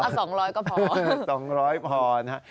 ๒๐๐ก็พอนะครับ๒๐๐พอนะ